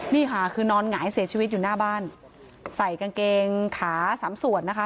นี่ค่ะคือนอนหงายเสียชีวิตอยู่หน้าบ้านใส่กางเกงขาสามส่วนนะคะ